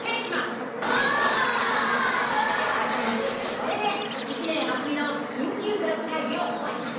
これで一年は組のきん急クラス会議を終わります。